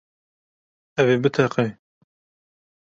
Ev ê biteqe.